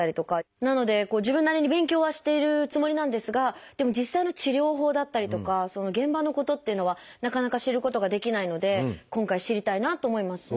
なので自分なりに勉強はしているつもりなんですがでも実際の治療法だったりとか現場のことっていうのはなかなか知ることができないので今回知りたいなと思いますね。